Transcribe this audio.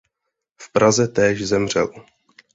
V Praze též zemřel.